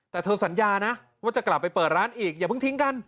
แต่เธอสัญญานะว่าจะกลับไปเปิดร้านอีกอย่าเพิ่งทิ้งกัน